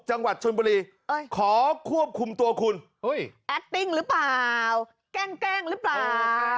จังหวัดชนบุรีขอควบคุมตัวคุณแอดติ้งหรือเปล่าแกล้งหรือเปล่า